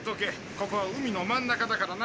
ここは海の真ん中だからな。